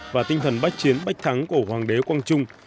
và tinh thần bách chiến bách thắng của hoàng đế quang trung